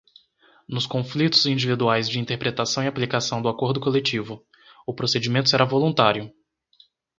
Nos conflitos individuais de interpretação e aplicação do Acordo Coletivo, o procedimento será voluntário.